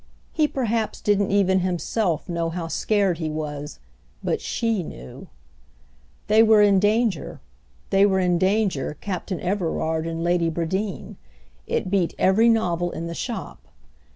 He perhaps didn't even himself know how scared he was; but she knew. They were in danger, they were in danger, Captain Everard and Lady Bradeen: it beat every novel in the shop.